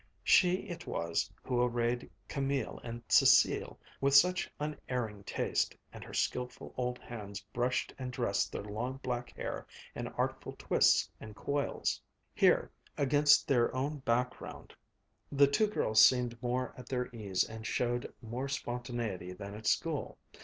She it was who arrayed Camille and Cécile with such unerring taste, and her skilful old hands brushed and dressed their long black hair in artful twists and coils. Here, against their own background, the two girls seemed more at their ease and showed more spontaneity than at school.